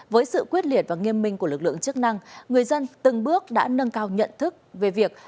với sự quyết liệt và nghiêm minh của lực lượng chức năng người dân từng bước đã nâng cao nhận thức về việc